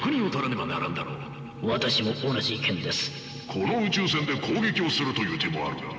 この宇宙船で攻撃をするという手もあるが。